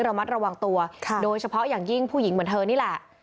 ระมัดระวังตัวโดยเฉพาะอย่างยิ่งผู้หญิงเหมือนเธอนี่แหละ